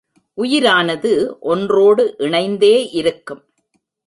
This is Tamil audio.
உயிரானது ஒன்றோடு இணைந்தே இருக்கும்.